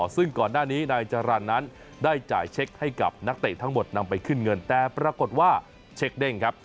ซึ่งก่อนหน้านี้นายจรรย์นั้นได้จ่ายเช็คให้กับนักเตะทั้งหมดนำไปขึ้นเงินแต่ปรากฏว่าเช็คเด้งครับ